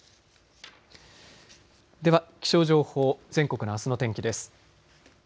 では気象情報全国のあすの天気です。